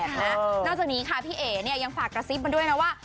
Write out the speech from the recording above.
นอกจากนี้ค่ะพี่เอ๋เนี่ยยังฝากกระซิบมาด้วยนะว่า